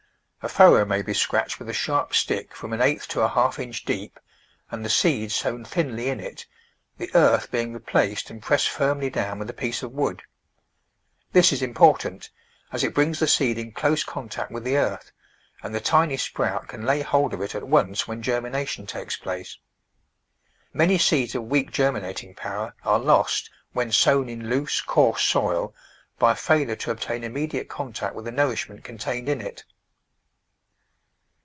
A furrow may be scratched with a sharp stick from an eighth to a half inch deep, and the seed sown thinly in it, the earth being replaced and pressed firmly down with a piece of wood. This is important, as it brings the seed in close contact with the earth, and the tiny sprout can lay hold of it at once when germination takes place. Many seeds of weak germinating power are lost when sown in loose, coarse soil by failure to obtain immediate contact with the nourishment contained in it.